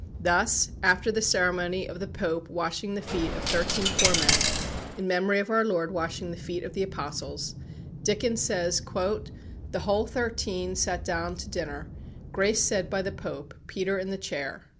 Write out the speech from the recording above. Thus, after the ceremony of the Pope washing the feet of thirteen poor men, in memory of our Lord washing the feet of the Apostles, Dickens says: "The whole thirteen sat down to dinner; grace said by the Pope; Peter in the chair."